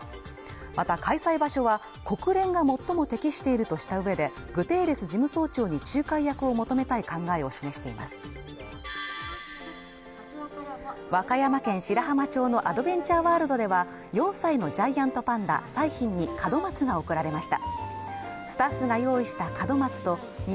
また開催場所は国連が最も適しているとしたうえでグテーレス事務総長に仲介役を求めたい考えを示しています和歌山県白浜町のアドベンチャーワールドでは４歳のジャイアントパンダ彩浜に門松が贈られました